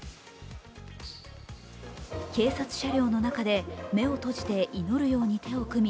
警察車両の中で目を閉じて祈るように手を組み、